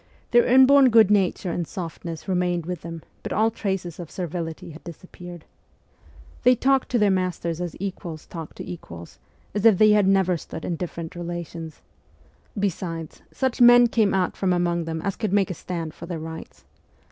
Their inborn good nature and softness remained with them, but all traces of servility had disappeared. They talked to their masters as equals talk to equals, as if they never had stood in different relations. Besides, THE CORPS OF PAGES 150 such men came out from among them as could make a stand for their rights.